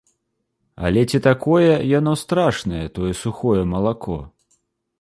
Але ці такое яно страшнае, тое сухое малако?